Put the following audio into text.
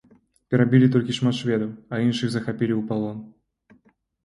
Перабілі толькі шмат шведаў, а іншых захапілі ў палон.